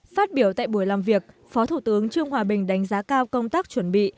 phát biểu tại buổi làm việc phó thủ tướng trương hòa bình đánh giá cao công tác chuẩn bị